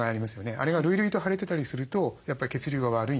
あれが累々と腫れてたりするとやっぱり血流が悪いんですね。